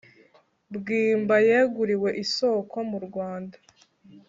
Bwimba yeguriwe isoko mu Rwanda